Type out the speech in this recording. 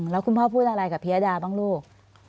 แล้วคุณพ่อพูดอะไรกับพิยดาบ้างลูก